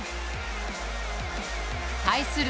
対する